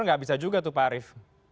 tidak bisa juga pak arief